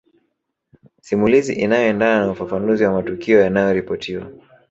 Simulizi inayoendana na ufafanuzi wa matukio yanayoripotiwa